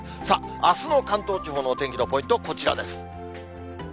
さあ、あすの関東地方のお天気のポイントはこちらです。